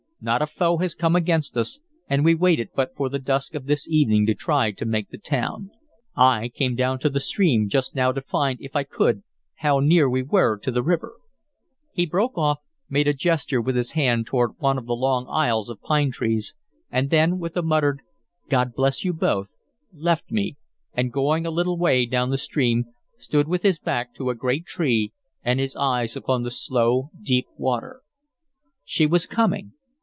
Not a foe has come against us, and we waited but for the dusk of this evening to try to make the town. I came down to the stream just now to find, if I could, how near we were to the river" He broke off, made a gesture with his hand toward one of the long aisles of pine trees, and then, with a muttered "God bless you both," left me, and going a little way down the stream, stood with his back to a great tree and his eyes upon the slow, deep water. She was coming.